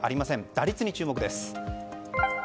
打率に注目です。